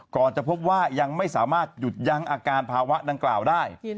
จะพบว่ายังไม่สามารถหยุดยั้งอาการภาวะดังกล่าวได้